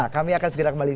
kami akan segera kembali